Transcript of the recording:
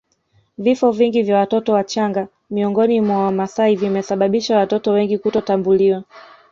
Vifo vingi vya watoto wachanga miongoni mwa Wamasai vimesababisha watoto wengi kutotambuliwa